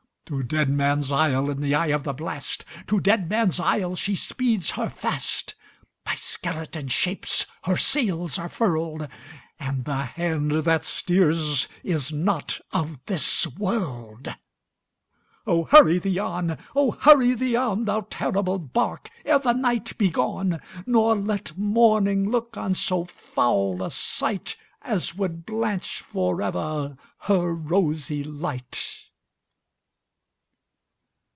To Deadman's Isle, in the eye of the blast, To Deadman's Isle, she speeds her fast; By skeleton shapes her sails are furled, And the hand that steers is not of this world! Oh! hurry thee on,—oh! hurry thee on, Thou terrible bark, ere the night be gone, Nor let morning look on so foul a sightAs would blanch forever her rosy light!